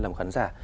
làm khán giả